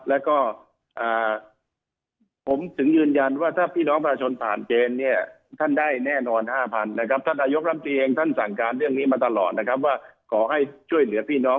แล้วก็ผมถึงยืนยันว่าถ้าพี่น้องประชาชนผ่านเจนเนี่ยท่านได้แน่นอน